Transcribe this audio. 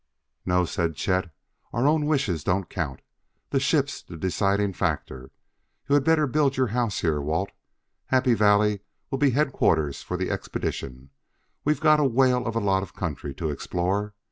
"No," said Chet, "our own wishes don't count; the ship's the deciding factor. You had better build your house here, Walt. Happy Valley will be headquarters for the expedition; we've got a whale of a lot of country to explore.